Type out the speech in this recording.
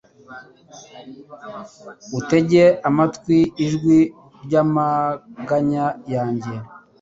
Utege amatwi ijwi ry’amaganya yanjye